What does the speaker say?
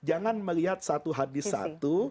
jangan melihat satu hadis satu